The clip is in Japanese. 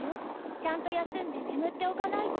ちゃんと休んで眠っておかないと。